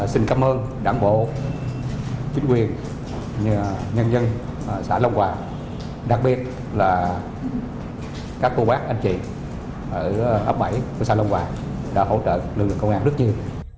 xin cảm ơn đảng bộ chính quyền nhân dân xã long hòa đặc biệt là các cô bác anh chị ở ấp bảy của xã long hòa đã hỗ trợ lực lượng công an rất nhiều